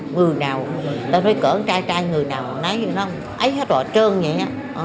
người nào ta nói cỡ trai trai người nào nói như nó ấy hết rồi trơn vậy á